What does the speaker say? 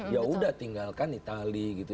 ya udah tinggalkan itali gitu